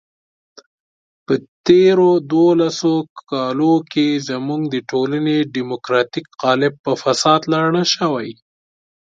په تېرو دولسو کالو کې زموږ د ټولنې دیموکراتیک قالب په فساد لړل شوی.